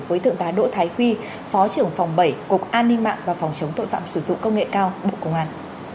với thượng tá đỗ thái quy phó trưởng phòng bảy cục an ninh mạng và phòng chống tội phạm sử dụng công nghệ cao bộ công an